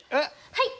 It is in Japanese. はい！